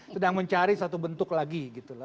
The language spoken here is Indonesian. sedang mencari satu bentuk lagi